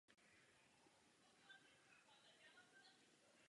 Je považován za konzervativní.